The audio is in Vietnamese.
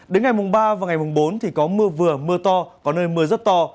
đến ngày mùng ba và ngày mùng bốn thì có mưa vừa mưa to có nơi mưa rất to